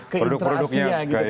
ke interaksinya gitu